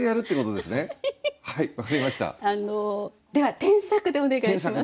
では「添削」でお願いします。